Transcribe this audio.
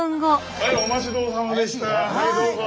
はいどうぞ。